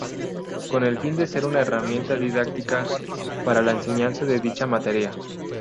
Con el fin de ser una herramienta didáctica para la enseñanza de dicha materia.